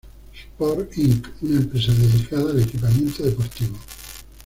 Sports, Inc., una empresa dedicada al equipamiento deportivo.